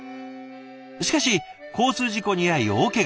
しかし交通事故に遭い大けが。